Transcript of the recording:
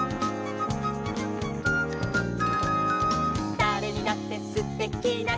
「だれにだってすてきなひ」